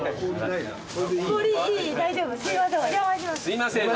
すいません。